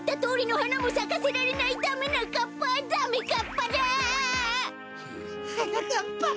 はなかっぱ。